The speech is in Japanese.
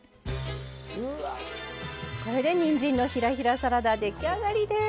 にんじんのひらひらサラダ出来上がりです。